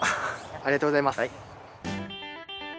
ありがとうございます。